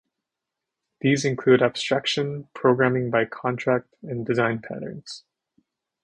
These include abstraction, programming by contract, and design patterns.